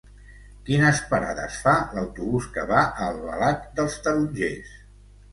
Quines parades fa l'autobús que va a Albalat dels Tarongers?